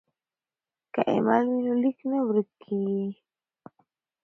که ایمیل وي نو لیک نه ورک کیږي.